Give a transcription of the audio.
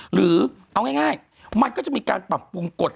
หรือเอาง่ายมันก็จะมีการปรับปรุงกฎ